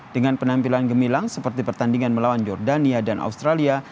dengan penampilan gemilang seperti pertandingan melawan jordania dan australia